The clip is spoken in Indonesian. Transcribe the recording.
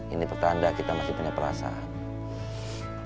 ini pertanda kita masih punya perasaan